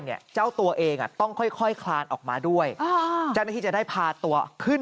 เนี่ยเจ้าตัวเองอ่ะต้องค่อยคลานออกมาด้วยจะได้พาตัวขึ้น